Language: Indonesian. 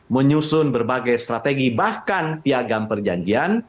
menyusun berbagai strategi bahkan piagam perjanjian